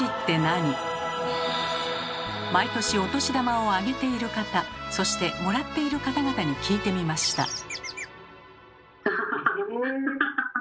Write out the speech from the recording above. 毎年お年玉をあげている方そしてもらっている方々に聞いてみました。